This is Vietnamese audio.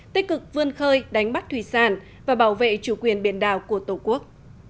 tích cực vươn khơi đánh bắt thủy sản và bảo vệ chủ quyền biển đảo của tổ quốc